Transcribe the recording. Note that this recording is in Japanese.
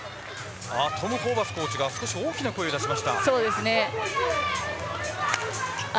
トム・ホーバスコーチが少し大きな声を出しました。